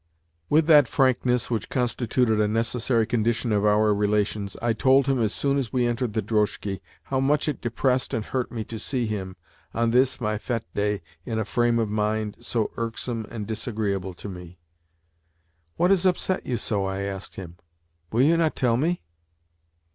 With that frankness which constituted a necessary condition of our relations I told him, as soon as we entered the drozhki, how much it depressed and hurt me to see him, on this my fete day in a frame of mind so irksome and disagreeable to me. "What has upset you so?" I asked him. "Will you not tell me?"